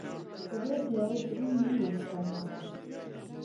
پیلوټ د یوه دروند نوم استازی دی.